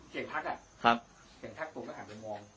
เสียงทักผมก็หันไปมอง